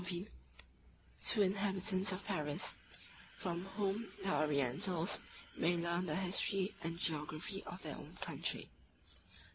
14—22,) two inhabitants of Paris, from whom the Orientals may learn the history and geography of their own country.